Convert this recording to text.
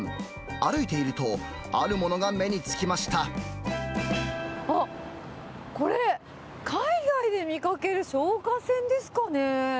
歩いていると、あるものが目につあっ、これ、海外で見かける消火栓ですかね。